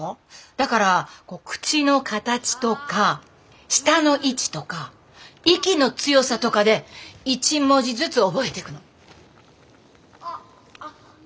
だから口の形とか舌の位置とか息の強さとかで一文字ずつ覚えてくの。